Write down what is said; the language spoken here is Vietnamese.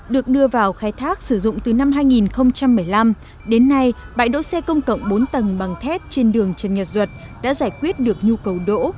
được đưa vào khai thác sử dụng từ năm hai nghìn một mươi năm đến nay bãi đỗ xe công cộng bốn tầng bằng thép trên đường trần nhật duật đã giải quyết được nhu cầu đỗ